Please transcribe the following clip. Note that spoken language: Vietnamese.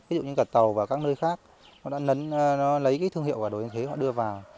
ví dụ như cả tàu và các nơi khác nó lấy cái thương hiệu gà đồi yên thế họ đưa vào